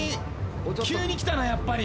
急にきたなやっぱり。